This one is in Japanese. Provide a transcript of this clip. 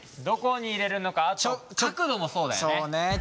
どこに入れるのかあと角度もそうだよね。